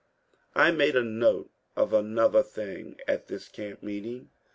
*' I made a note of another thing at this camp meeting.